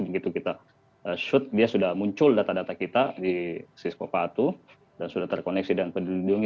begitu kita shoot dia sudah muncul data data kita di siskopatu dan sudah terkoneksi dan peduli lindungi